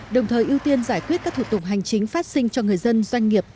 đồng thời ưu tiên giải quyết các thủ tục hành chính phát sinh cho người dân doanh nghiệp